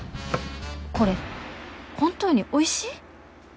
これ本当においしい？